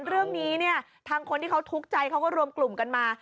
เรื่องนี้เนี่ยทางคนที่เขาทุกข์ใจเขาก็รวมกลุ่มกันมา